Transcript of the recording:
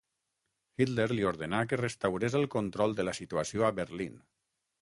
Hitler li ordenà que restaurés el control de la situació a Berlín.